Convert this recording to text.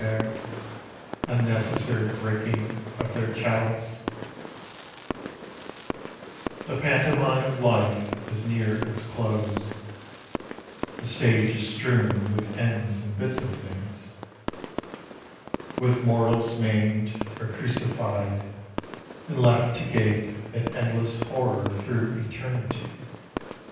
I "nnecessary breaking of their chatl The pantomime of life is mar us close : The stage is strewn with ends and bits of things, With mortals maim'd or crucified, and left irror through eternity.